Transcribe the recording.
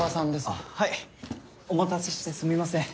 あっはいお待たせしてすみません。